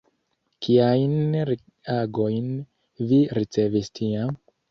Kiajn reagojn vi ricevis tiam?